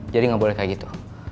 jadi nggak boleh kayak gitu